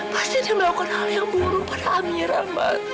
pasti dia melakukan hal yang buruk pada amira mas